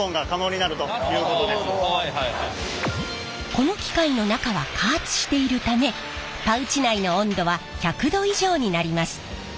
この機械の中は加圧しているためパウチ内の温度は１００℃以上になります。